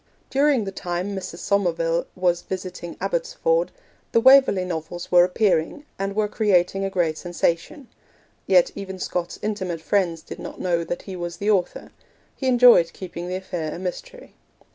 During the time Mrs. Somerville was visiting Abbotsford the Waverley Novels were appearing, and were creating a great sensation; yet even Scott's intimate friends did not know that he was the author; he enjoyed keeping the affair a mystery.